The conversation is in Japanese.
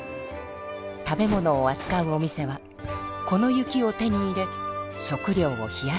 食べ物をあつかうお店はこの雪を手に入れ食料を冷やしていたのです。